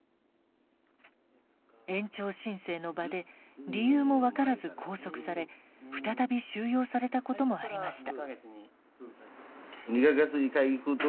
延長申請の場で理由も分からず拘束され再び収容されたこともありました。